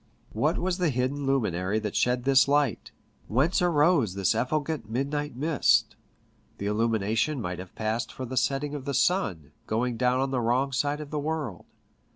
What was the hidden luminary that shed this light ? Whence arose this effulgent midnight mist ? The illu mination might have passed for the setting of the sun, going down on the wrong side of the world.